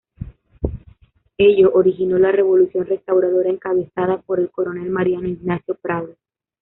Ello originó la revolución restauradora encabezada por el coronel Mariano Ignacio Prado.